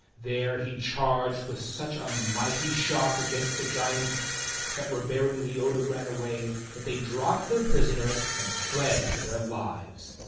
There he charged with such a mighty shock against the giants that were bearing Leodogran away that they dropped their prisoner and fled for their lives.